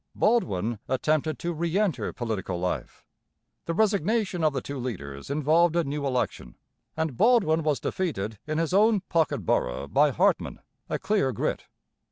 Baldwin attempted to re enter political life. The resignation of the two leaders involved a new election, and Baldwin was defeated in his own 'pocket borough' by Hartman, a Clear Grit.